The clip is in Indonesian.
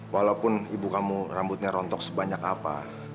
walaupun ibu kamu rambutnya rontok sebanyak apa